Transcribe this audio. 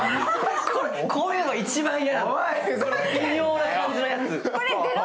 こういうの一番嫌、微妙な感じのやつ。